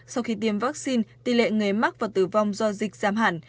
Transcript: sau khi tiêm vaccine tỷ lệ người mắc và tử vong do dịch giảm hẳn